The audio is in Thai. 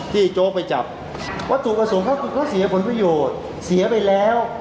ที่โจ๊กไปจับว่าถูกกับถุงเฮ้าทุกเขาเสียผลประโยชน์เสียไปแล้ว